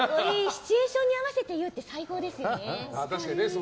シチュエーションに合わせて言うって最高ですよね。